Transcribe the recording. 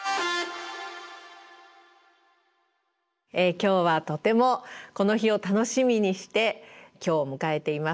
今日はとてもこの日を楽しみにして今日を迎えています。